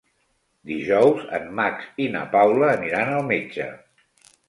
Dijous en Max i na Paula aniran al metge.